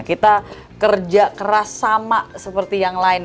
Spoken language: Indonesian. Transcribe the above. kita kerja keras sama seperti yang lain